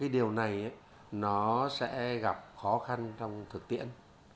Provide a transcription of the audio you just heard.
điều này sẽ gặp khó khăn trong thực tiễn